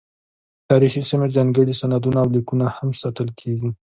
تاریخي سیمې، ځانګړي سندونه او لیکونه هم ساتل کیږي.